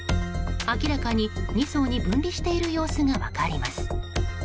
明らかに、二層に分離している様子が分かります。